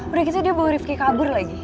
udah gitu dia bawa rifki kabur lagi